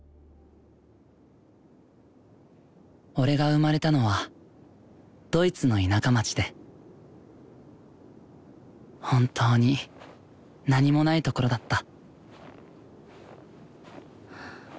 俺が生まれたのはドイツの田舎町で本当に何もないところだった。